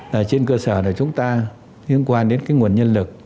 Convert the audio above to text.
ở trên cơ sở là chúng ta liên quan đến cái nguồn nhân lực